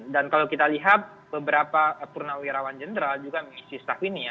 dan kalau kita lihat beberapa purnawirawan jenderal juga mengisi staf ini ya